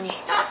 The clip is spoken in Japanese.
何？